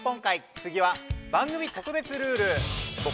つぎは番組特別ルール！